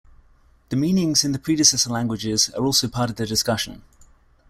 The meanings in the predecessor languages are also part of the discussion.